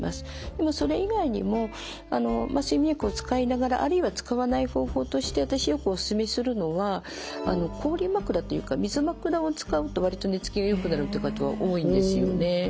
でもそれ以外にも睡眠薬を使いながらあるいは使わない方法として私よくお勧めするのは氷枕というか水枕を使うと割と寝つきがよくなるっていう方は多いんですよね。